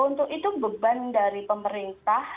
untuk itu beban dari pemerintah